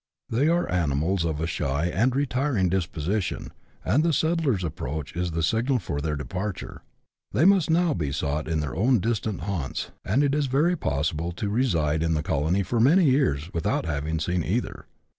They are animals of a shy and retiring disposition, and the settler's approach is the signal for their departure. They must now be sought in their own distant haunts, and it is very possible to reside in the colony for many years without having seen either.